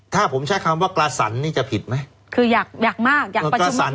ถ้าผมใช้คำว่ากระสันนี่จะผิดไหมคืออยากอยากมากอยากประชุมสรรค